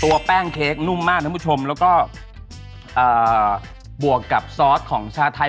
ตัวแป้งเค้กนุ่มมากนะคุณผู้ชมแล้วก็เอ่อบวกกับซอสของชาไทย